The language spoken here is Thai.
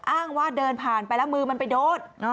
อ้างว่าเดินผ่านไปแล้วมือมันไปโดด